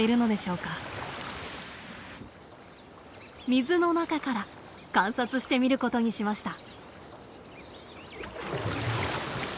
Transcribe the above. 水の中から観察してみることにしました。